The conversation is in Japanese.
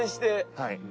はい。